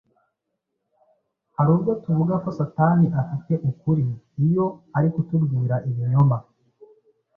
Hari ubwo tuvuga ko Satani afite ukuri iyo ari kutubwira ibinyoma